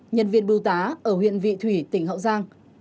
nhân viên bưu tá ở huyện vị thủy tỉnh hậu giang